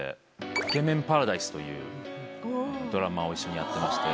『イケメン♂パラダイス』というドラマを一緒にやってまして。